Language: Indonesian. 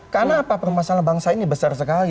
karena apa permasalahan bangsa ini besar sekali